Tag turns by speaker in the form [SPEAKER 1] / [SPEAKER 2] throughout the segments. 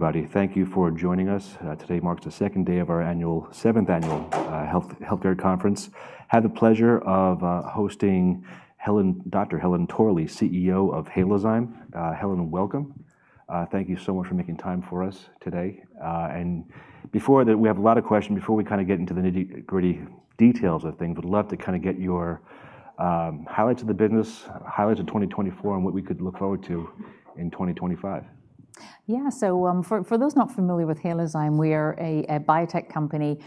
[SPEAKER 1] Everybody, thank you for joining us. Today marks the second day of our seventh annual Healthcare Conference. I had the pleasure of hosting Dr. Helen Torley, CEO of Halozyme. Helen, welcome. Thank you so much for making time for us today, and before that, we have a lot of questions before we kind of get into the nitty-gritty details of things. We'd love to kind of get your highlights of the business, highlights of 2024, and what we could look forward to in 2025.
[SPEAKER 2] Yeah, so for those not familiar with Halozyme, we are a biotech company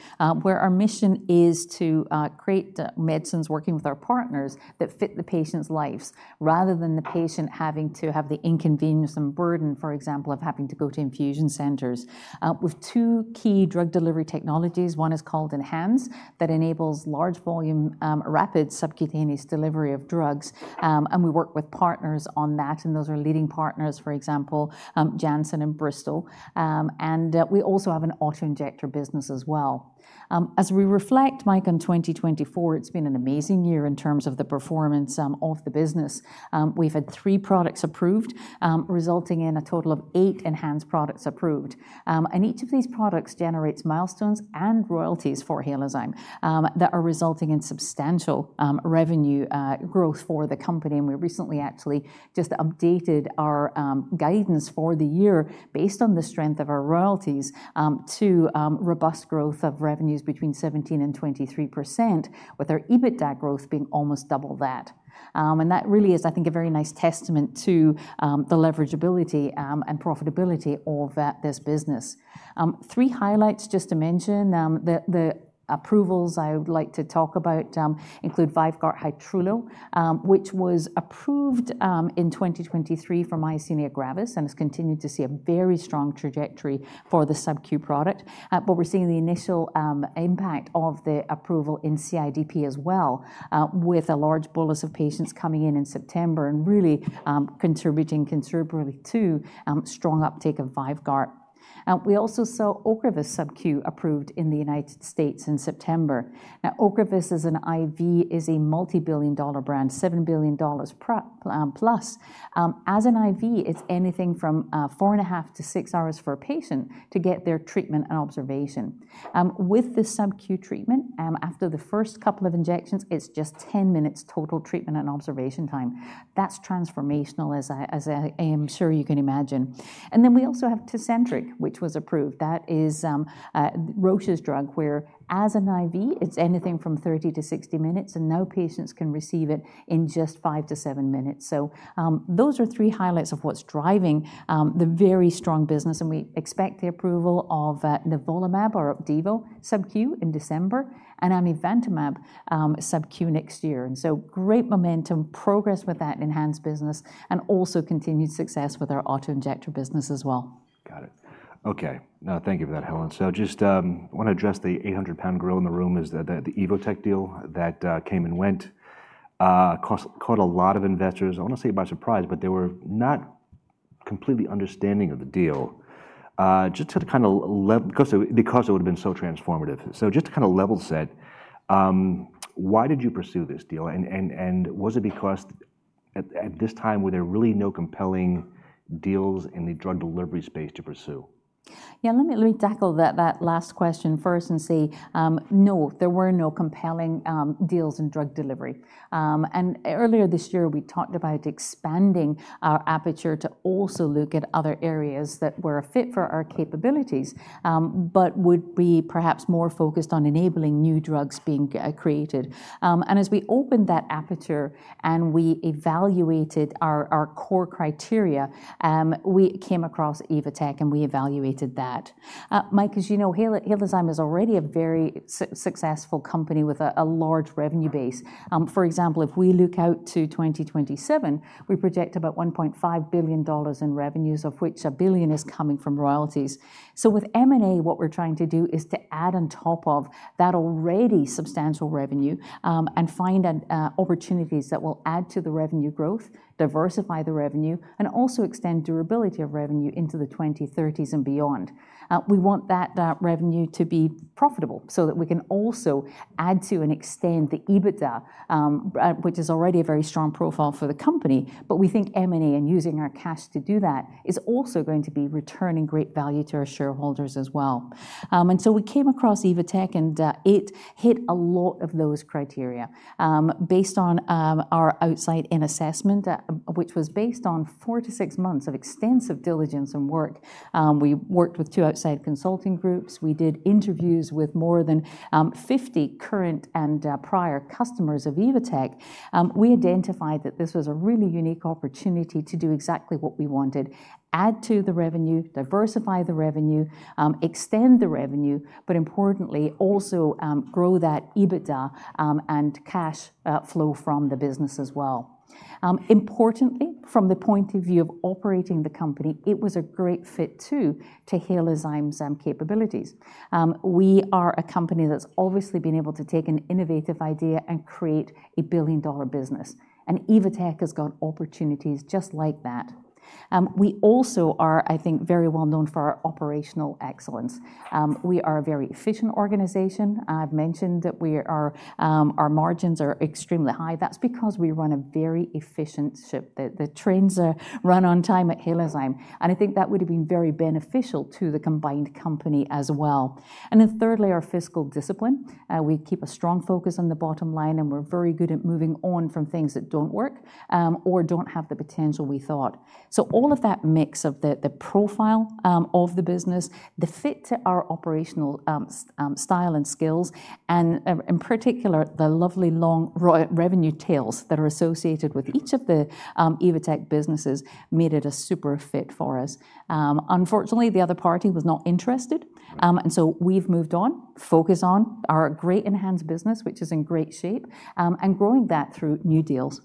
[SPEAKER 2] where our mission is to create medicines working with our partners that fit the patient's lives rather than the patient having to have the inconvenience and burden, for example, of having to go to infusion centers. We have two key drug delivery technologies. One is called ENHANZE that enables large volume, rapid subcutaneous delivery of drugs. And we work with partners on that. And those are leading partners, for example, Janssen and Bristol. And we also have an auto-injector business as well. As we reflect, Mike, on 2024, it's been an amazing year in terms of the performance of the business. We've had three products approved, resulting in a total of eight ENHANZE products approved. And each of these products generates milestones and royalties for Halozyme that are resulting in substantial revenue growth for the company. We recently actually just updated our guidance for the year based on the strength of our royalties to robust growth of revenues between 17% and 23%, with our EBITDA growth being almost double that. That really is, I think, a very nice testament to the leverageability and profitability of this business. Three highlights just to mention. The approvals I would like to talk about include VYVGART Hytrulo, which was approved in 2023 for myasthenia gravis and has continued to see a very strong trajectory for the subQ product. We're seeing the initial impact of the approval in CIDP as well, with a large bolus of patients coming in in September and really contributing considerably to strong uptake of VYVGART. We also saw Ocrevus subQ approved in the United States in September. Now, Ocrevus as an IV is a multi-billion dollar brand, $7+ billion. As an IV, it's anything from four and a half to six hours for a patient to get their treatment and observation. With the subQ treatment, after the first couple of injections, it's just 10 minutes total treatment and observation time. That's transformational, as I am sure you can imagine. And then we also have Tecentriq, which was approved. That is Roche's drug where, as an IV, it's anything from 30-60 minutes, and now patients can receive it in just five-seven minutes. So those are three highlights of what's driving the very strong business. And we expect the approval of nivolumab or Opdivo subQ in December and amivantamab subQ next year. And so great momentum, progress with that ENHANZE business, and also continued success with our auto-injector business as well. Got it. Okay. Now, thank you for that, Helen. So just want to address the 800 lb gorilla in the room is that the Evotec deal that came and went caught a lot of investors. I want to say by surprise, but they were not completely understanding of the deal just because it would have been so transformative. So just to kind of level set, why did you pursue this deal? And was it because at this time were there really no compelling deals in the drug delivery space to pursue? Yeah, let me tackle that last question first and say, no, there were no compelling deals in drug delivery. And earlier this year, we talked about expanding our aperture to also look at other areas that were a fit for our capabilities, but would be perhaps more focused on enabling new drugs being created. And as we opened that aperture and we evaluated our core criteria, we came across Evotec and we evaluated that. Mike, as you know, Halozyme is already a very successful company with a large revenue base. For example, if we look out to 2027, we project about $1.5 billion in revenues, of which $1 billion is coming from royalties. So with M&A, what we're trying to do is to add on top of that already substantial revenue and find opportunities that will add to the revenue growth, diversify the revenue, and also extend durability of revenue into the 2030s and beyond. We want that revenue to be profitable so that we can also add to and extend the EBITDA, which is already a very strong profile for the company. But we think M&A and using our cash to do that is also going to be returning great value to our shareholders as well. And so we came across Evotec and it hit a lot of those criteria based on our outside assessment, which was based on four to six months of extensive diligence and work. We worked with two outside consulting groups. We did interviews with more than 50 current and prior customers of Evotec. We identified that this was a really unique opportunity to do exactly what we wanted, add to the revenue, diversify the revenue, extend the revenue, but importantly, also grow that EBITDA and cash flow from the business as well. Importantly, from the point of view of operating the company, it was a great fit too to Halozyme's capabilities. We are a company that's obviously been able to take an innovative idea and create a billion-dollar business, and Evotec has got opportunities just like that. We also are, I think, very well known for our operational excellence. We are a very efficient organization. I've mentioned that our margins are extremely high. That's because we run a very efficient ship. The trains run on time at Halozyme, and I think that would have been very beneficial to the combined company as well. And then thirdly, our fiscal discipline. We keep a strong focus on the bottom line and we're very good at moving on from things that don't work or don't have the potential we thought, so all of that mix of the profile of the business, the fit to our operational style and skills, and in particular, the lovely long revenue tails that are associated with each of the Evotec businesses made it a super fit for us. Unfortunately, the other party was not interested, and so we've moved on, focused on our great ENHANZE business, which is in great shape, and growing that through new deals.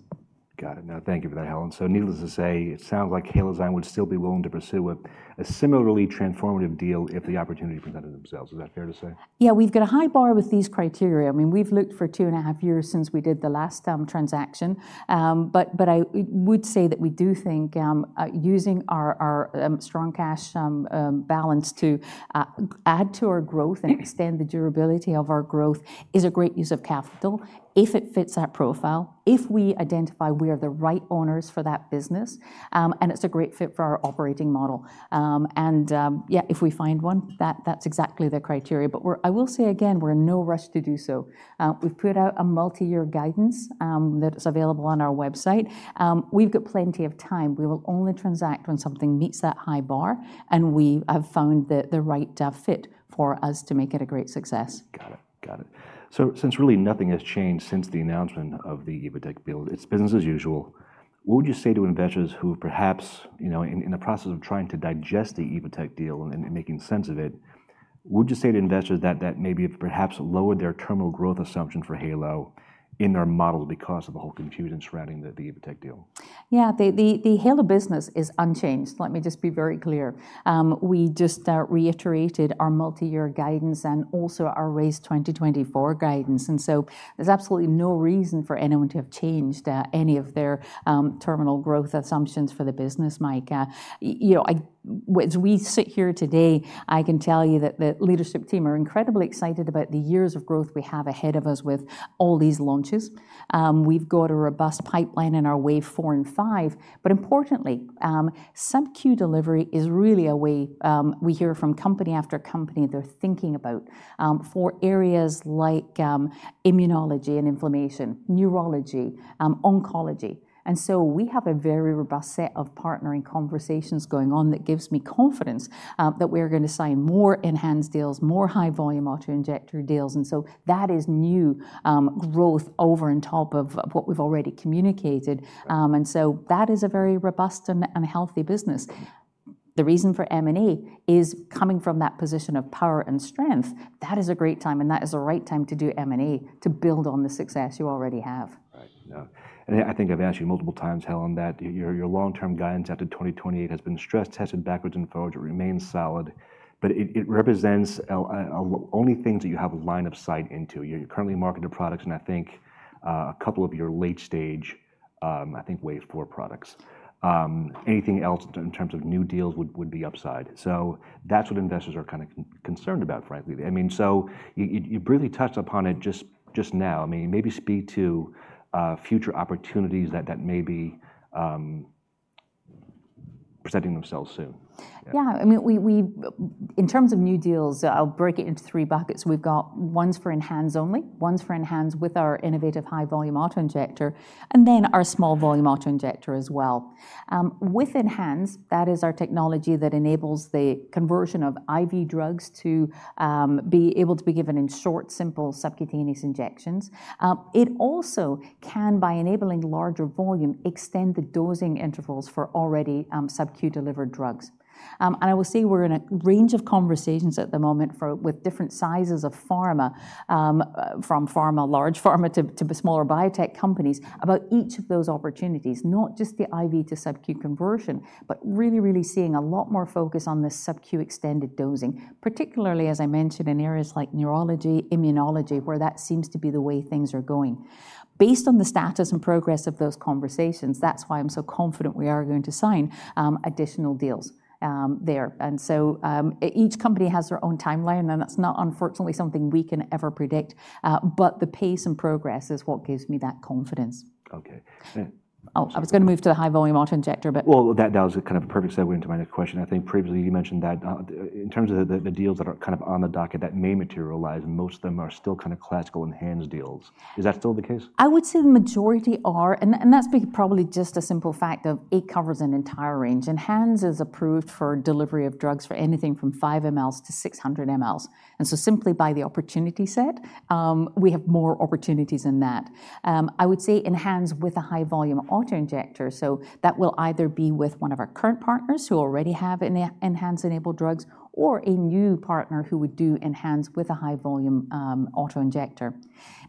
[SPEAKER 2] Got it. No, thank you for that, Helen. So needless to say, it sounds like Halozyme would still be willing to pursue a similarly transformative deal if the opportunity presented themselves. Is that fair to say? Yeah, we've got a high bar with these criteria. I mean, we've looked for two and a half years since we did the last transaction. But I would say that we do think using our strong cash balance to add to our growth and extend the durability of our growth is a great use of capital if it fits our profile, if we identify we are the right owners for that business, and it's a great fit for our operating model. And yeah, if we find one, that's exactly the criteria. But I will say again, we're in no rush to do so. We've put out a multi-year guidance that's available on our website. We've got plenty of time. We will only transact when something meets that high bar. And we have found the right fit for us to make it a great success. Got it. Got it. So since really nothing has changed since the announcement of the Evotec deal, it's business as usual. What would you say to investors who perhaps in the process of trying to digest the Evotec deal and making sense of it? Would you say to investors that that maybe perhaps lowered their terminal growth assumption for Halo in their model because of the whole confusion surrounding the Evotec deal? Yeah, the Halo business is unchanged. Let me just be very clear. We just reiterated our multi-year guidance and also our FY 2024 guidance, and so there's absolutely no reason for anyone to have changed any of their terminal growth assumptions for the business, Mike. As we sit here today, I can tell you that the leadership team are incredibly excited about the years of growth we have ahead of us with all these launches. We've got a robust pipeline in our wave four and five, but importantly, subQ delivery is really a way we hear from company after company they're thinking about for areas like immunology and inflammation, neurology, oncology, and so we have a very robust set of partnering conversations going on that gives me confidence that we're going to sign more ENHANZE deals, more high volume auto injector deals. That is new growth over on top of what we've already communicated. That is a very robust and healthy business. The reason for M&A is coming from that position of power and strength. That is a great time, and that is the right time to do M&A to build on the success you already have. Right. And I think I've asked you multiple times, Helen, that your long-term guidance after 2028 has been stress tested backwards and forwards. It remains solid, but it represents only things that you have a line of sight into. You're currently marketing products, and I think a couple of your late stage, I think wave four products. Anything else in terms of new deals would be upside. So that's what investors are kind of concerned about, frankly. I mean, so you briefly touched upon it just now. I mean, maybe speak to future opportunities that may be presenting themselves soon. Yeah. I mean, in terms of new deals, I'll break it into three buckets. We've got ones for ENHANZE only, ones for ENHANZE with our innovative high volume auto-injector, and then our small volume auto-injector as well. With ENHANZE, that is our technology that enables the conversion of IV drugs to be able to be given in short, simple subcutaneous injections. It also can, by enabling larger volume, extend the dosing intervals for already subQ delivered drugs, and I will say we're in a range of conversations at the moment with different sizes of pharma, from pharma, large pharma to smaller biotech companies about each of those opportunities, not just the IV to subQ conversion, but really, really seeing a lot more focus on this subQ extended dosing, particularly, as I mentioned, in areas like neurology, immunology, where that seems to be the way things are going. Based on the status and progress of those conversations, that's why I'm so confident we are going to sign additional deals there, and so each company has their own timeline, and that's not unfortunately something we can ever predict, but the pace and progress is what gives me that confidence. Okay. I was going to move to the High Volume Auto-Injector, but. Well, that was kind of a perfect segue into my next question. I think previously you mentioned that in terms of the deals that are kind of on the docket that may materialize, most of them are still kind of classical ENHANZE deals. Is that still the case? I would say the majority are. That's probably just a simple fact of it covers an entire range. ENHANZE is approved for delivery of drugs for anything from 5 ml to 600 ml. So simply by the opportunity set, we have more opportunities than that. I would say ENHANZE with a high-volume auto-injector. That will either be with one of our current partners who already have ENHANZE-enabled drugs or a new partner who would do ENHANZE with a high-volume auto-injector.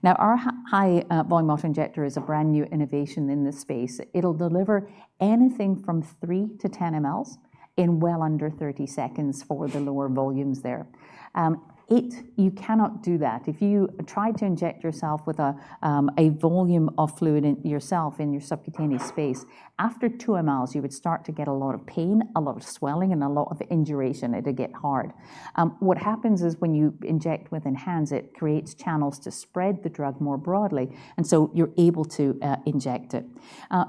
[SPEAKER 2] Now, our high-volume auto-injector is a brand new innovation in this space. It'll deliver anything from 3 to 10 ml in well under 30 seconds for the lower volumes there. You cannot do that. If you try to inject yourself with a volume of fluid yourself in your subcutaneous space, after 2 ml, you would start to get a lot of pain, a lot of swelling, and a lot of induration. It'll get hard. What happens is when you inject with ENHANZE, it creates channels to spread the drug more broadly. And so you're able to inject it.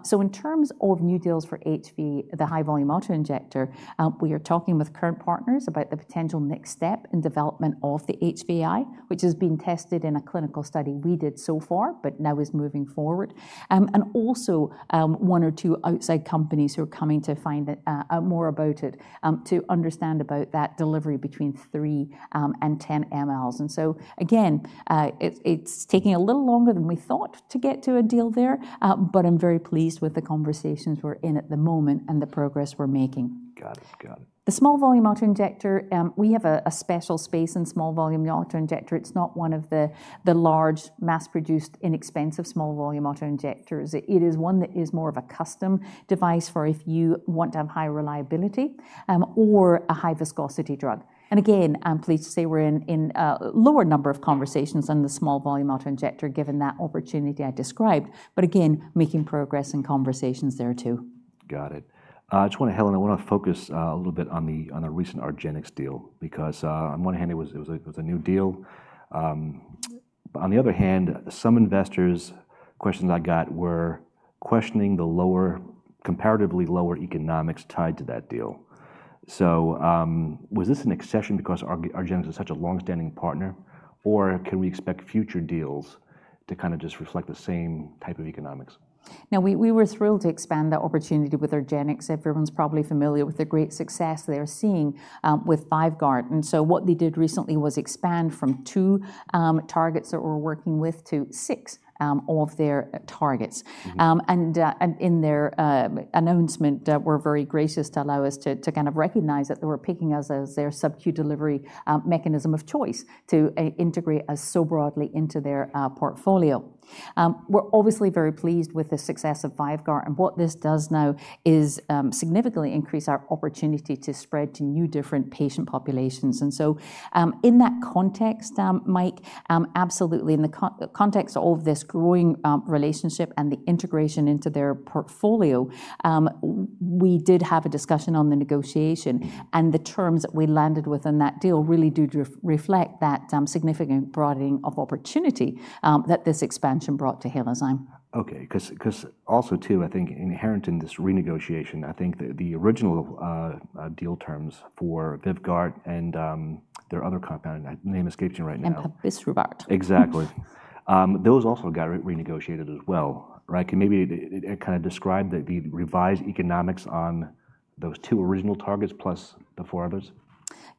[SPEAKER 2] So in terms of new deals for HVI, the high volume auto-injector, we are talking with current partners about the potential next step in development of the HVI, which has been tested in a clinical study we did so far, but now is moving forward. And also one or two outside companies who are coming to find out more about it to understand about that delivery between 3 ml and 10 ml. Again, it's taking a little longer than we thought to get to a deal there, but I'm very pleased with the conversations we're in at the moment and the progress we're making. Got it. Got it. The small volume auto-injector, we have a special space in small volume auto-injector. It's not one of the large mass-produced inexpensive small volume auto-injectors. It is one that is more of a custom device for if you want to have high reliability or a high viscosity drug. And again, I'm pleased to say we're in a lower number of conversations on the small volume auto-injector given that opportunity I described. But again, making progress in conversations there too. Got it. I just want to, Helen, I want to focus a little bit on the recent Argenx deal because on one hand, it was a new deal, but on the other hand, some investors' questions I got were questioning the lower, comparatively lower economics tied to that deal, so was this an exception because Argenx is such a long-standing partner, or can we expect future deals to kind of just reflect the same type of economics? No, we were thrilled to expand the opportunity with Argenx. Everyone's probably familiar with the great success they're seeing with VYVGART. And so what they did recently was expand from two targets that we're working with to six of their targets. And in their announcement, they were very gracious to allow us to kind of recognize that they were picking us as their subQ delivery mechanism of choice to integrate us so broadly into their portfolio. We're obviously very pleased with the success of VYVGART. And what this does now is significantly increase our opportunity to spread to new different patient populations. And so in that context, Mike, absolutely. In the context of this growing relationship and the integration into their portfolio, we did have a discussion on the negotiation. The terms that we landed within that deal really do reflect that significant broadening of opportunity that this expansion brought to Halozyme. Okay. Because also too, I think inherent in this renegotiation, I think the original deal terms for VYVGART and their other compound, and name escapes me right now. And Empasiprubart. Exactly. Those also got renegotiated as well. Right? Can maybe kind of describe the revised economics on those two original targets plus the four others?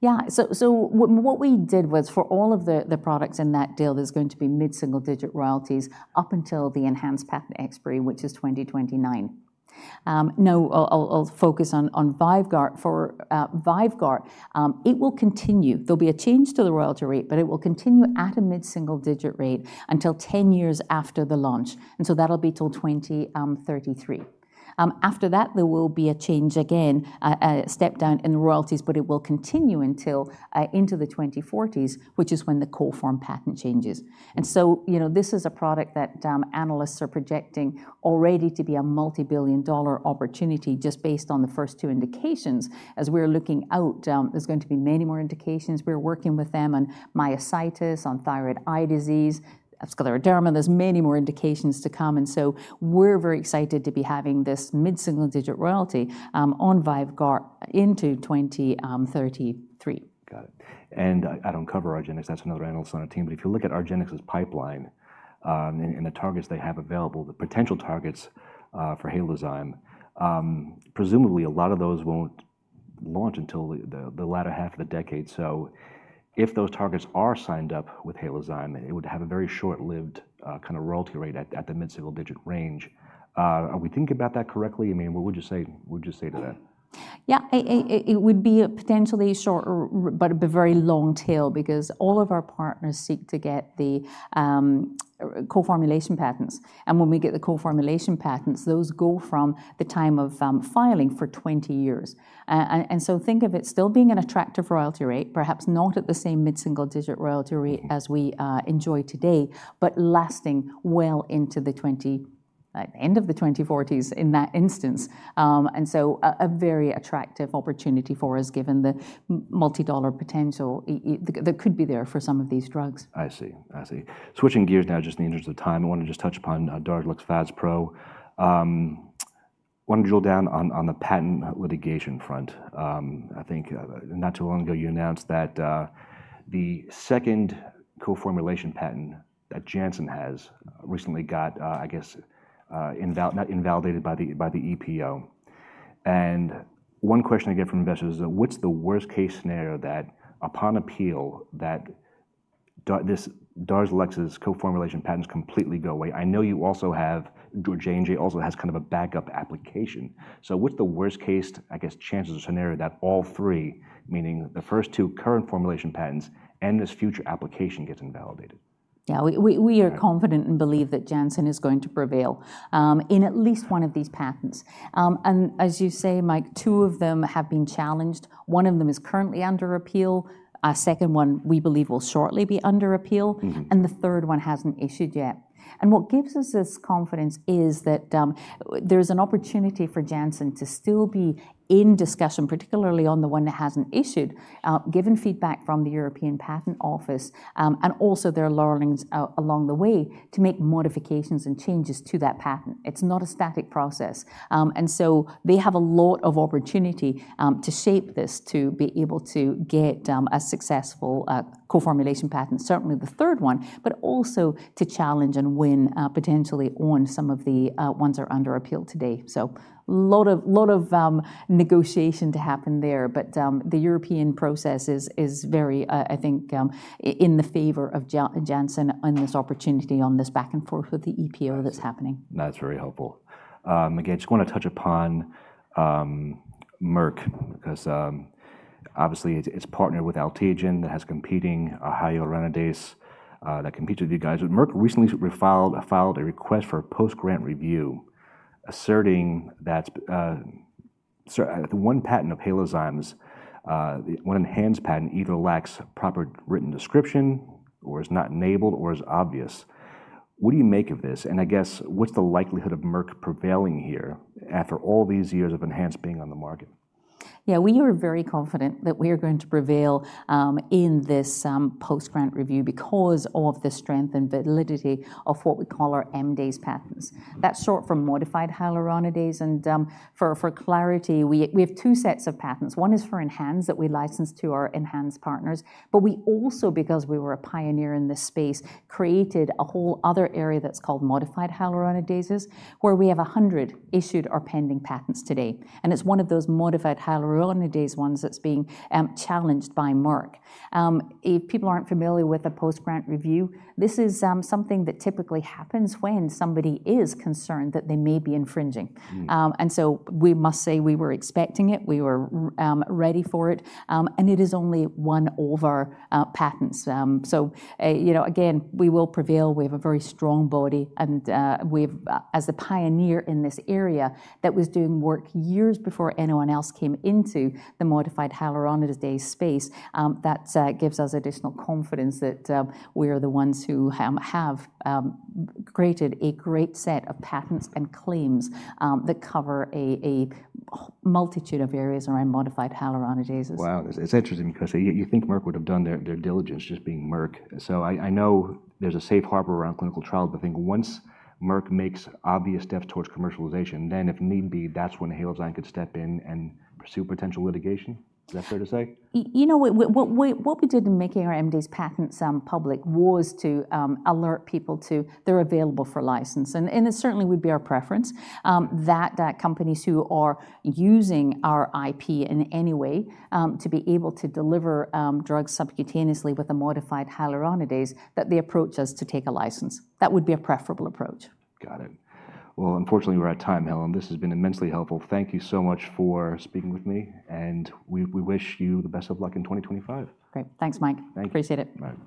[SPEAKER 2] Yeah. So what we did was for all of the products in that deal, there's going to be mid-single digit royalties up until the ENHANZE patent expiry, which is 2029. No, I'll focus on VYVGART. For VYVGART, it will continue. There'll be a change to the royalty rate, but it will continue at a mid-single digit rate until 10 years after the launch. And so that'll be till 2033. After that, there will be a change again, a step down in the royalties, but it will continue into the 2040s, which is when the co-formulation patent changes. And so this is a product that analysts are projecting already to be a multi-billion dollar opportunity just based on the first two indications. As we're looking out, there's going to be many more indications. We're working with them on myositis, on thyroid eye disease, scleroderma. There's many more indications to come. And so we're very excited to be having this mid-single digit royalty on VYVGART into 2033. Got it. And I don't cover Argenx. That's another analyst on our team. But if you look at Argenx's pipeline and the targets they have available, the potential targets for Halozyme, presumably a lot of those won't launch until the latter half of the decade. So if those targets are signed up with Halozyme, it would have a very short-lived kind of royalty rate at the mid-single digit range. Are we thinking about that correctly? I mean, what would you say to that? Yeah, it would be a potentially short, but a very long tail because all of our partners seek to get the co-formulation patents. And when we get the co-formulation patents, those go from the time of filing for 20 years. And so think of it still being an attractive royalty rate, perhaps not at the same mid-single digit royalty rate as we enjoy today, but lasting well into the end of the 2040s in that instance. And so a very attractive opportunity for us given the multi-dollar potential that could be there for some of these drugs. I see. I see. Switching gears now just in the interest of time, I want to just touch upon DARZALEX FASPRO. I want to drill down on the patent litigation front. I think not too long ago, you announced that the second co-formulation patent that Janssen has recently got, I guess, not invalidated by the EPO. And one question I get from investors is, what's the worst case scenario that upon appeal, that this DARZALEX's co-formulation patents completely go away? I know you also have J&J also has kind of a backup application. So what's the worst case, I guess, chances or scenario that all three, meaning the first two co-formulation patents and this future application gets invalidated? Yeah, we are confident and believe that Janssen is going to prevail in at least one of these patents. And as you say, Mike, two of them have been challenged. One of them is currently under appeal. A second one, we believe, will shortly be under appeal. And the third one hasn't issued yet. And what gives us this confidence is that there is an opportunity for Janssen to still be in discussion, particularly on the one that hasn't issued, given feedback from the European Patent Office and also their learnings along the way to make modifications and changes to that patent. It's not a static process. And so they have a lot of opportunity to shape this to be able to get a successful co-formulation patent, certainly the third one, but also to challenge and win potentially on some of the ones that are under appeal today. So a lot of negotiation to happen there, but the European process is very, I think, in favor of Janssen and this opportunity on this back and forth with the EPO that's happening. That's very helpful. Again, I just want to touch upon Merck because obviously it's partnered with Alteogen that has competing high yield hyaluronidase that competes with you guys. But Merck recently filed a request for a post-grant review asserting that one patent of Halozyme's, one ENHANZE patent, either lacks proper written description or is not enabled or is obvious. What do you make of this? And I guess, what's the likelihood of Merck prevailing here after all these years of ENHANZE being on the market? Yeah, we are very confident that we are going to prevail in this post-grant review because of the strength and validity of what we call our MDase patents. That's short for modified hyaluronidase. And for clarity, we have two sets of patents. One is for ENHANZE that we license to our ENHANZE partners. But we also, because we were a pioneer in this space, created a whole other area that's called modified hyaluronidase, where we have 100 issued or pending patents today. And it's one of those modified hyaluronidase ones that's being challenged by Merck. If people aren't familiar with the post-grant review, this is something that typically happens when somebody is concerned that they may be infringing. And so we must say we were expecting it. We were ready for it. And it is only one of our patents. So again, we will prevail. We have a very strong body, and we have, as the pioneer in this area that was doing work years before anyone else came into the modified hyaluronidase space, that gives us additional confidence that we are the ones who have created a great set of patents and claims that cover a multitude of areas around modified hyaluronidase. Wow. It's interesting because you think Merck would have done their diligence just being Merck. So I know there's a safe harbor around clinical trials, but I think once Merck makes obvious steps towards commercialization, then if need be, that's when Halozyme could step in and pursue potential litigation. Is that fair to say? You know, what we did in making our MDase patents public was to alert people that they're available for license. And it certainly would be our preference that companies who are using our IP in any way to be able to deliver drugs subcutaneously with a modified hyaluronidase, that they approach us to take a license. That would be a preferable approach. Got it. Unfortunately, we're at time, Helen. This has been immensely helpful. Thank you so much for speaking with me, and we wish you the best of luck in 2025. Great. Thanks, Mike. Appreciate it. All right.